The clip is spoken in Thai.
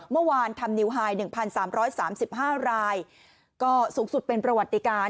เมื่อวานทำนิวไฮ๑๓๓๕รายก็สูงสุดเป็นประวัติการ